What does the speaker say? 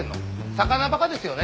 魚バカですよね。